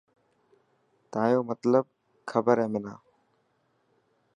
تايون مطلب کبر هي منا.